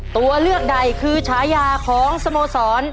ตัวเลือกใดคือฉายาของสโมสร